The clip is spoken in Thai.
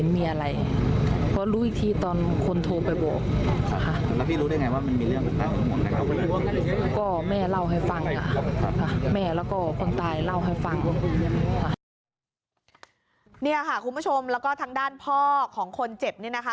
นี่ค่ะคุณผู้ชมแล้วก็ทางด้านพ่อของคนเจ็บเนี่ยนะคะ